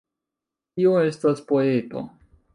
Kio estas poeto?